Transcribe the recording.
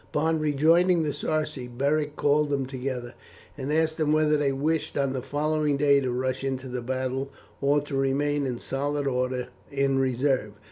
Upon rejoining the Sarci, Beric called them together, and asked them whether they wished on the following day to rush into the battle, or to remain in solid order in reserve.